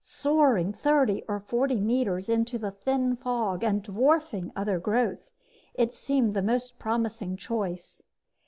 Soaring thirty or forty meters into the thin fog and dwarfing other growth, it seemed the most promising choice.